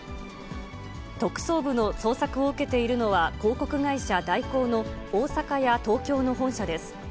特捜部の捜索を受けているのは、広告会社、大広の大阪や東京の本社です。